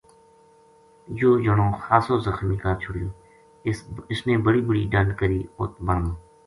یوہ جنو خاصو زخمی کر چھُڑیو اس بڑی بڑی ڈَنڈ کری اُت بن ما